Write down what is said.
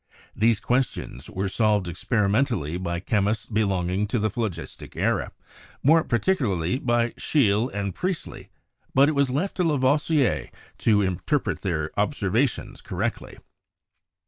These questions were solved experimentally by chemists belonging to the phlogistic era, more par ticularly by Scheele and Priestley; but it was left to La voisier to interpret their observations correctly.